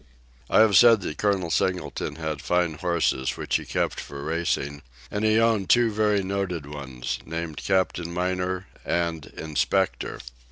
I have said that Col. Singleton had fine horses, which he kept for racing, and he owned two very noted ones, named Capt. Miner and Inspector.